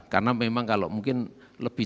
karena memang kalau mungkin lebih